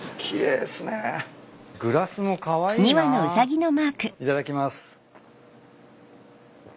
いただきます。